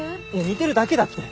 似てるだけだって。